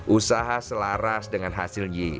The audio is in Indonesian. usaha selaras dengan hasil y